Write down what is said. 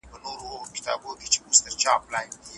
لرغونپوهنه د انسان تېر ژوند څېړي.